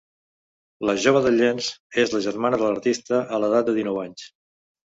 La jove del llenç és la germana de l'artista a l'edat de dinou anys.